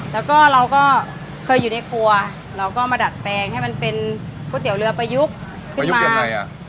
แล้วก็เราก็เคยอยู่ในครัวเราก็มาดัดแปลงให้มันเป็นก๋วยเตี๋ยวเรือประยุกต์ขึ้นมา